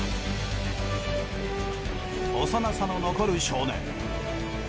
幼さの残る少年。